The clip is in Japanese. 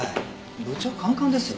部長カンカンですよ。